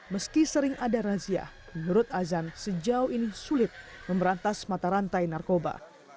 meski sering ada razia menurut azan sejauh ini sulit memberantas mata rantai narkoba